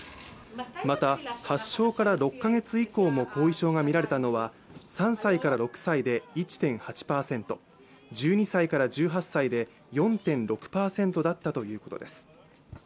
また、発症から６か月以降も後遺症がみられたのは３歳から６歳で１．８％、１２歳から１８歳で４．６％だったということです。